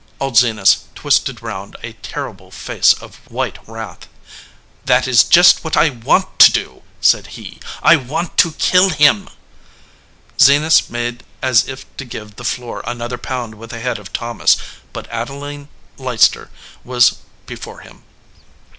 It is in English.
Old Zenas twisted round a terrible face of white wrath. "That is just what I want to do," said he. "I want to kill him !" Zenas made as if to give the floor another pound with the head of Thomas, but Adeline Leicester was before him.